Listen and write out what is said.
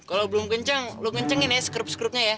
kalau belum kenceng lo kencengin ya skrup skrupnya ya